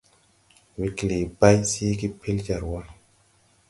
Wee klee bay seege pel jar wa.